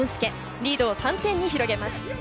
リードを３点に広げます。